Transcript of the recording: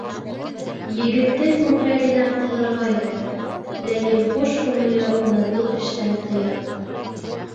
Егеттең күкрәгенә ҡаҙарға итә, ләкин хуш күңеле уны был эштән тыя.